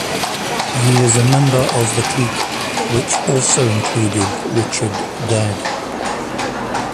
He was a member of The Clique, which also included Richard Dadd.